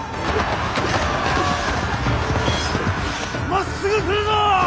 まっすぐ来るぞ！